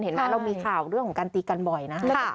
เห็นไหมเรามีข่าวเรื่องของการตีกันบ่อยนะคะ